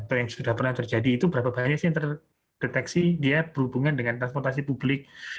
atau yang sudah pernah terjadi itu berapa banyak sih yang terdeteksi dia berhubungan dengan transportasi publik